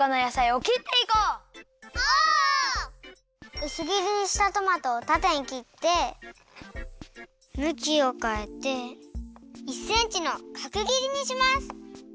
うす切りにしたトマトをたてに切ってむきをかえて１センチのかく切りにします。